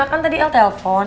kan tadi el telpon